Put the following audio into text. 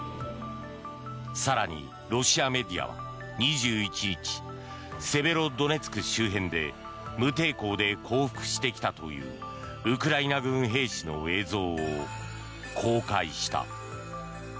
更に、ロシアメディアは２１日セベロドネツク周辺で無抵抗で降伏してきたというウクライナ軍兵士の映像を公開した。